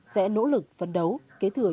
sẽ nỗ lực phấn đấu kế thừa